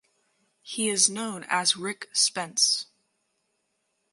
He is known as Rick Spence.